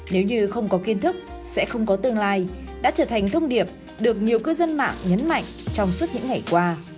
nếu như không có kiến thức sẽ không có tương lai đã trở thành thông điệp được nhiều cư dân mạng nhấn mạnh trong suốt những ngày qua